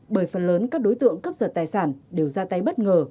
bởi phần lớn các đối tượng cướp giật tài sản đều ra tay bất ngờ